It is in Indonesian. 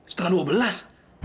setengah dua belas